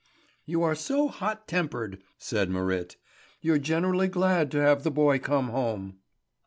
"You are so hot tempered," said Marit. "You're generally glad to have the boy come home."